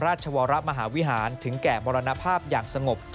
ราชวรมหาวิหารถึงแก่มรณภาพอย่างสงบ